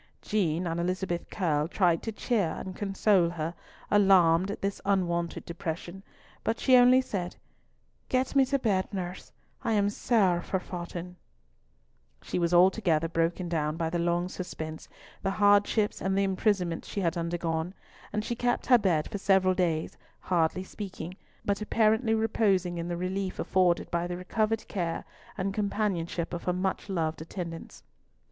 Jean and Elizabeth Curll tried to cheer and console her, alarmed at this unwonted depression, but she only said, "Get me to bed, nurse, I am sair forfaughten." She was altogether broken down by the long suspense, the hardships and the imprisonment she had undergone, and she kept her bed for several days, hardly speaking, but apparently reposing in the relief afforded by the recovered care and companionship of her much loved attendants.